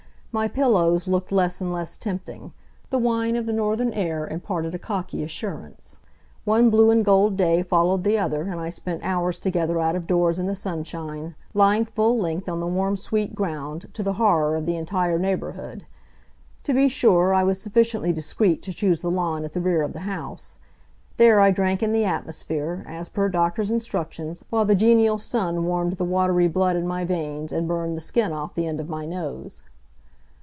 My pillows looked less and less tempting. The wine of the northern air imparted a cocky assurance. One blue and gold day followed the other, and I spent hours together out of doors in the sunshine, lying full length on the warm, sweet ground, to the horror of the entire neighborhood. To be sure, I was sufficiently discreet to choose the lawn at the rear of the house. There I drank in the atmosphere, as per doctor's instructions, while the genial sun warmed the watery blood in my veins and burned the skin off the end of my nose.